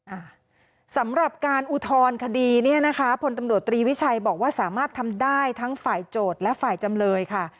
อ่าสำหรับการอุทธรณคดีเนี่ยนะคะพลตำรวจตรีวิชัยบอกว่าสามารถทำได้ทั้งฝ่ายโจทย์และฝ่ายจำเลยค่ะ